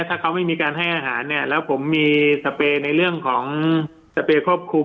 ถ้าเขาไม่มีการให้อาหารเนี่ยแล้วผมมีสเปย์ในเรื่องของสเปรย์ควบคุม